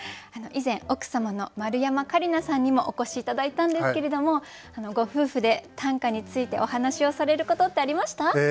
以前奥様の丸山桂里奈さんにもお越し頂いたんですけれどもご夫婦で短歌についてお話をされることってありました？